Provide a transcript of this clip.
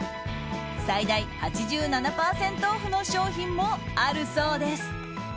最大８７％オフの商品もあるそうです。